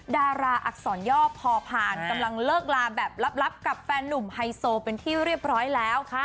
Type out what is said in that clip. ดาราอักษรย่อพอผ่านกำลังเลิกลาแบบลับกับแฟนนุ่มไฮโซเป็นที่เรียบร้อยแล้ว